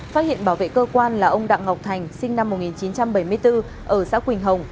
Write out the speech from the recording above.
phát hiện bảo vệ cơ quan là ông đặng ngọc thành sinh năm một nghìn chín trăm bảy mươi bốn ở xã quỳnh hồng